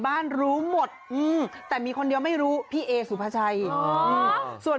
รู้หมดอืมแต่มีคนเดียวไม่รู้พี่เอสุภาชัยส่วน